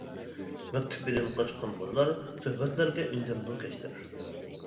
مەكتىپىدىن قاچقان بالىلار، سۆھبەتلەرگە ئۈندەمدۇ كەچلەر.